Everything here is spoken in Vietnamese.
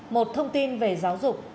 một thông tin về giáo dục